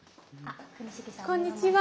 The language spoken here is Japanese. こんにちは。